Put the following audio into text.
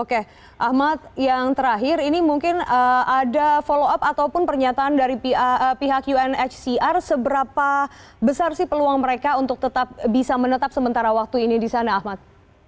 oke ahmad yang terakhir ini mungkin ada follow up ataupun pernyataan dari pihak unhcr seberapa besar sih peluang mereka untuk tetap bisa menetap sementara waktu ini di sana ahmad